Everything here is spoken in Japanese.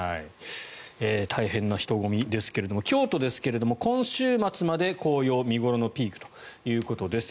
大変な人混みですが京都ですけれども今週末まで紅葉が見頃のピークということです。